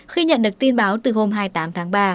khi nhận được tin báo từ hôm hai mươi tám tháng ba